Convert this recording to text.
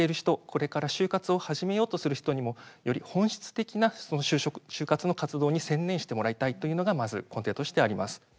これから就活を始めようとする人にもより本質的な就活の活動に専念してもらいたいというのがまず根底としてあります。